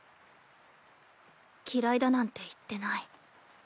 嫌いだなんて言ってない。